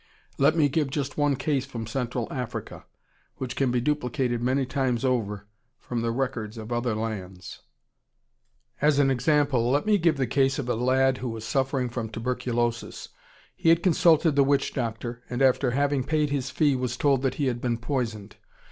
Let me give just one case from Central Africa which can be duplicated many times over from the records of other lands. As an example let me give the case of a lad who was suffering from tuberculosis. He had consulted the witch doctor, and after having paid his fee was told that he had been poisoned.